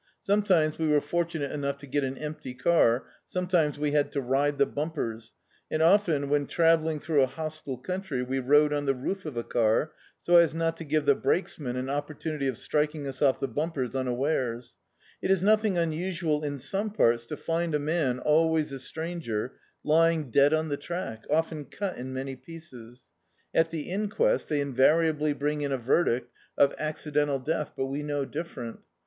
Sometfaimes we were fortunate enough to get an empty car; sometimes we had to ride the bumpers; and often, when travelling through a hos tile country, we rode on the roof of a car, so as not to give the brakesman an opportunity of striking us off the bumpers unawares. It is nothing unusual in some parts to find a man, always a stranger, lying dead on the track, often cut in many pieces. At the inquest they invariably bring in a verdict of ac D,i.,.db, Google The Autobiography of a Super Tramp cidental death, but we know different.